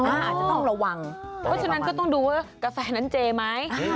อาจจะต้องระวังเพราะฉะนั้นก็ต้องดูว่ากาแฟนั้นเจไหม